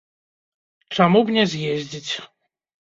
Чаму б не з'ездзіць?